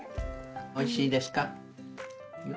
おいしいですか？